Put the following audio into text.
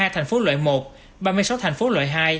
hai mươi hai thành phố loại một ba mươi sáu thành phố loại hai